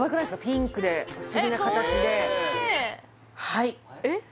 ピンクで不思議な形ではいえっ？